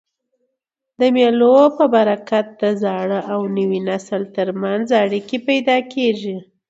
د مېلو په برکت د زاړه او نوي نسل تر منځ اړیکي پیاوړي کېږي.